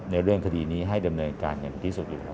ในเรื่องคดีนี้ให้ดำเนินการอย่างที่สุดอยู่แล้ว